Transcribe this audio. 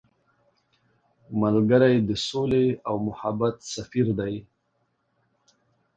ملګری د سولې او محبت سفیر دی